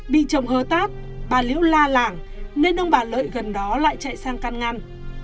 bị chồng hơ tác bà liễu la lảng nên ông bà lợi gần đó lại chạy sang căn ngăn